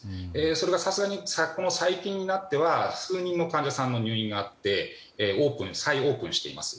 それが、さすがにこの最近になっては数人の患者さんの入院があって再オープンしています。